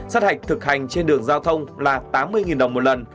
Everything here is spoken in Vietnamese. sát hạch thực hành trên đường giao thông là tám mươi đồng một lần